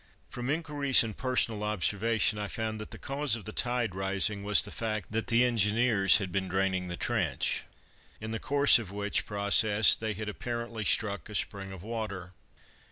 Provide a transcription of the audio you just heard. From inquiries and personal observation I found that the cause of the tide rising was the fact that the Engineers had been draining the trench, in the course of which process they had apparently struck a spring of water.